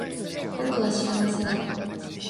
僕は幸せだ